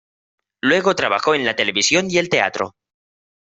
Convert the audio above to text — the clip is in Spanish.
Luego trabajó en la televisión y el teatro.